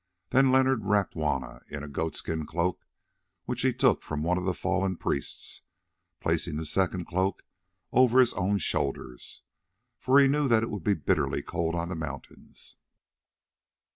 Then Leonard wrapped Juanna in a goat skin cloak which he took from one of the fallen priests, placing the second cloak over his own shoulders, for he knew that it would be bitterly cold on the mountains.